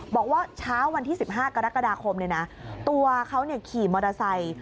บอกว่าเช้าวันที่๑๕กรกฎาคมตัวเขาขี่มอเตอร์ไซค์